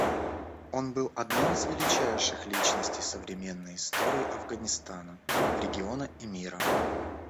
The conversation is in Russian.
Он был одной из величайших личностей современной истории Афганистана, региона и мира.